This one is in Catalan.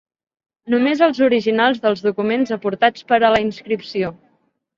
Només els originals dels documents aportats per a la inscripció.